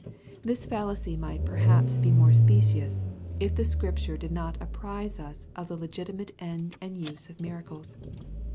This fallacy might perhaps be more specious, if the Scripture did not apprize us of the legitimate end and use of miracles.